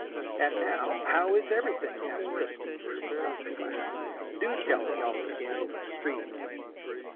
"And now, how is everything?" asked Christine from across the fire. "Do tell me all the scandal of the Street."